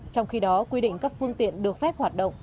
trong khi đó quy định các phương tiện được phép hoạt động